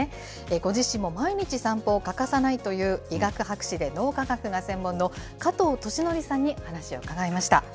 ご自身も毎日散歩を欠かさないという、医学博士で脳科学が専門の加藤俊徳さんに話を伺いました。